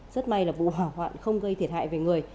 rất may là vụ hỏa hoạn không gây thiệt hại về người